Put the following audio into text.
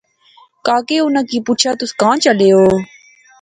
کاکے اُناں کی پُچھیا تس کھان جلنے آ